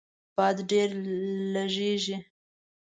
باد ډیر لږیږي